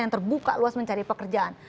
yang terbuka luas mencari pekerjaan